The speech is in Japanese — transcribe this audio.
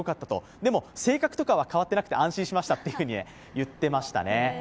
でも性格とかは変わってなくて安心しましたと言っていましたね。